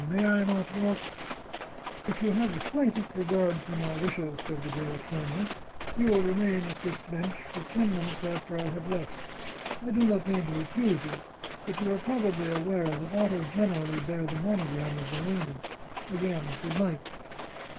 May I not walk " "If you have the slightest regard for my wishes," said the girl, firmly, "you will remain at this bench for ten minutes after I have left. I do not mean to accuse you, but you are probably aware that autos generally bear the monogram of their owner. Again, good night."